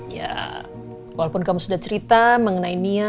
ya walaupun kamu sudah cerita mengenai nia